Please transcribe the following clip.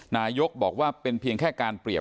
นายกบอกว่าเป็นเพียงแค่การเปรียบ